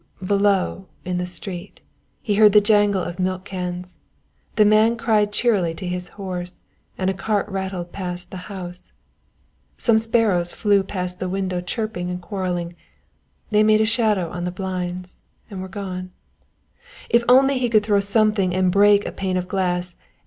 Below, in the street, he heard the jangle of milk cans. Then a man cried cheerily to his horse and a cart rattled past the house. Some sparrows flew past the window chirping and quarrelling they made a shadow on the blinds and were gone. If only he could throw something and break a pane of glass.